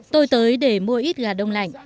tôi tới để mua ít gà đông lạnh